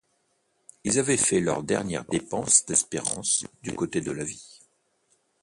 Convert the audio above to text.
Ils avaient fait leur dernière dépense d’espérance du côté de la vie.